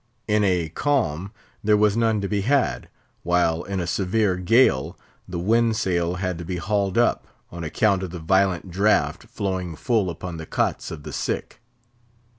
In a calm there was none to be had, while in a severe gale the wind sail had to be hauled up, on account of the violent draught flowing full upon the cots of the sick.